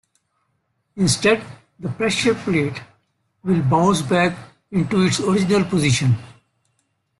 Instead the pressure plate will bounce back into its original position.